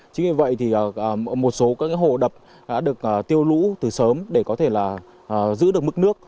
chính vì vậy thì một số các hồ đập đã được tiêu lũ từ sớm để có thể là giữ được mức nước